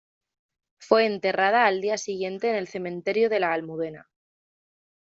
Fue enterrada al día siguiente en el Cementerio de La Almudena.